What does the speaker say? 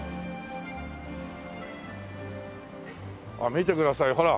見てくださいほら！